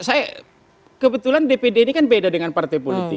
saya kebetulan dpd ini kan beda dengan partai politik